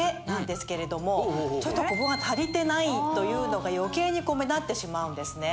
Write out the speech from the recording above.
ちょっとここが足りてないというのが余計に目立ってしまうんですね。